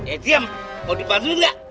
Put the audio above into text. eh diem mau dibasuh gak